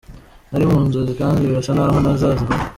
Nari mu nzozi kandi birasa n’aho ntazazivamo.